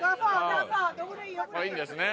あっいいんですね。